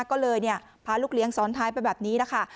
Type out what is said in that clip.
ก็เลยพาลูกเลี้ยงซ้อนท้ายไปแบบนี้นะคะ